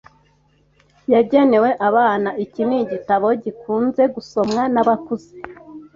Yagenewe abana, iki ni igitabo gikunze gusomwa nabakuze.